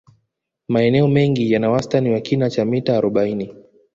Maeneo mengi yana wastani wa kina cha mita arobaini